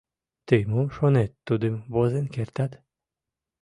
— Тый мом шонет, тудым возен кертат.